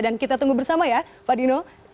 dan kita tunggu bersama ya pak dino